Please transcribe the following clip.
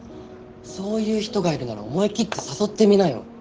そういう人がいるなら思い切って誘ってみなよ。